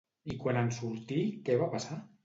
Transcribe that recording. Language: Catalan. I quan en sortí, què va passar?